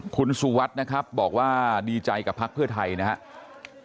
คุณสุวัสดิ์นะครับบอกว่าดีใจกับพักเพื่อไทยนะครับ